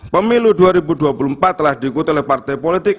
pemilu dua ribu dua puluh empat telah diikuti oleh partai politik